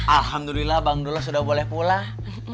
alhamdulillah bang dullah sudah boleh pulang